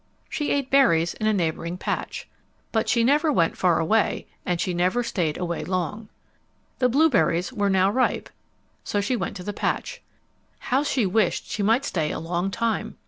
She ate berries in a neighboring patch. But she never went far away, and she never stayed away long. The blueberries were now ripe, so she went to the patch. How she wished she might stay a long time!